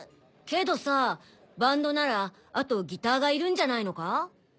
けどさバンドならあとギターがいるんじゃないのか？